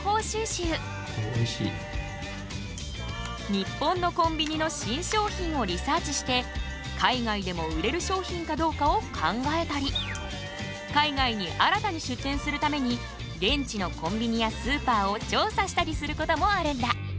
日本のコンビニの新商品をリサーチして海外でも売れる商品かどうかを考えたり海外に新たに出店するために現地のコンビニやスーパーを調査したりすることもあるんだ。